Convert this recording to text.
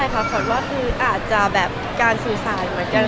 ไม่เป็นไรค่ะความว่าคืออาจจะแบบการสื่อสารเหมือนกัน